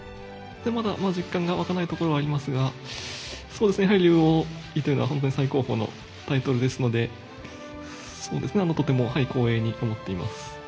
まだ、実感が湧かないところはありますが、やはり竜王位というのは最高峰のタイトルですので、とても光栄に思っています。